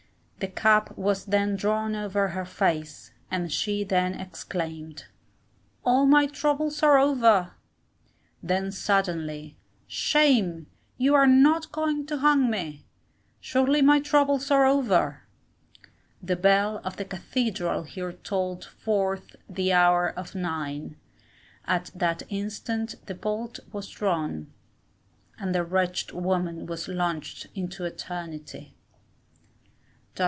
The cap was then drawn over her face, and she the exclaimed "All my troubles are over;" then suddenly "Shame, you are not going to hang me!" "Surely my troubles are over." The bell of the cathedral here tolled forth the hour of nine, at that instant the bolt was drawn, and the wretched woman was launched into eternity.